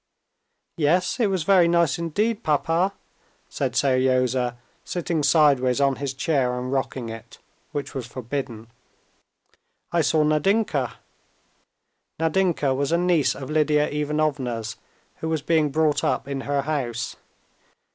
"Yes, it was very nice indeed, papa," said Seryozha, sitting sideways on his chair and rocking it, which was forbidden. "I saw Nadinka" (Nadinka was a niece of Lidia Ivanovna's who was being brought up in her house).